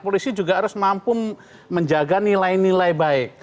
polisi juga harus mampu menjaga nilai nilai baik